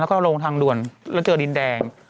แล้วก็ลงทางด่วนแล้วเจอดินแดง